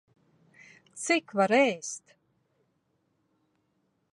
Cik var ēst!